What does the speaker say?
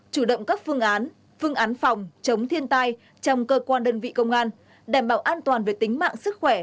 chủ động các phương án phương án phòng chống thiên tai trong cơ quan đơn vị công an đảm bảo an toàn về tính mạng sức khỏe